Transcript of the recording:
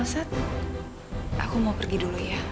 aku mau pergi dulu ya